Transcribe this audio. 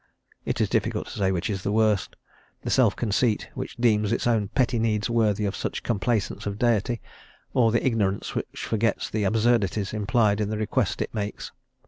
It is difficult to say which is the worse, the self conceit which deems its own petty needs worthy of such complaisance of Deity, or the ignorance which forgets the absurdities implied in the request it makes.